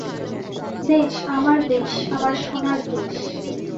দেশ, আমার দেশ, আমার সোনার দেশ!